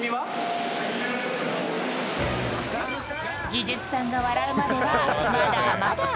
技術さんが笑うまではまだまだ。